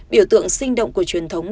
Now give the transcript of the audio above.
biểu tượng sinh động của truyền thống